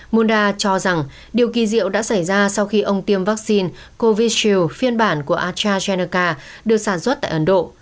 munda cho rằng điều kỳ diệu đã xảy ra sau khi ông tiêm vaccine covid một mươi chín phiên bản của astrazeneca được sản xuất tại ấn độ